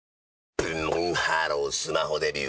ブンブンハロースマホデビュー！